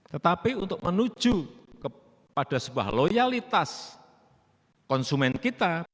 tetapi untuk menuju kepada sebuah loyalitas konsumen kita